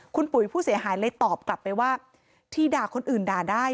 คุณปุ๋ยผู้เสียหายเลยตอบกลับไปว่าที่ด่าคนอื่นด่าได้